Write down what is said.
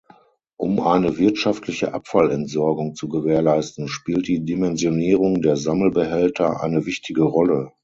Um eine wirtschaftliche Abfallentsorgung zu gewährleisten, spielt die Dimensionierung der Sammelbehälter eine wichtige Rolle.